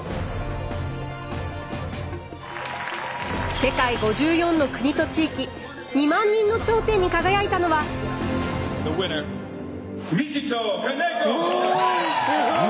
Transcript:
世界５４の国と地域２万人の頂点に輝いたのは。わすごい。